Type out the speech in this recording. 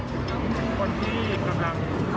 คนที่กำลังทอดแม้ในชีวิต